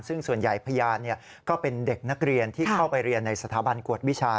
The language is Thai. ซึ่งส่วนใหญ่พยานก็เป็นเด็กนักเรียนที่เข้าไปเรียนในสถาบันกวดวิชา